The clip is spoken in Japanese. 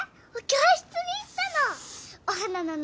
教室に行ったの。